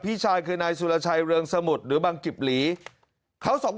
พี่ชายคือนายสุรชัยเรืองสมุทรหรือบังกิบหลีเขาสอง